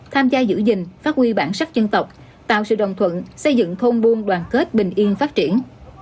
tham gia giữ gìn phát huy bản sắc dân tộc tạo sự đồng thuận xây dựng thôn buôn đoàn kết bình yên phát triển